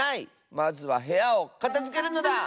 まずはへやをかたづけるのだ！